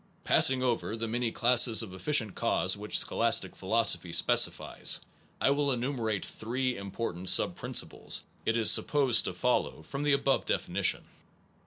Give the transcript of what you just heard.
Passing over the many classes of efficient cause which scholastic philosophy specifies, I will enumer ate three important sub principles it is sup posed to follow from the above definition.